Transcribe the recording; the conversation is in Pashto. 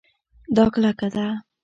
دا کلکه ده